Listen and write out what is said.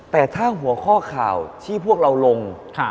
แต่ถ้าหัวข้อข่าวที่พวกเราลง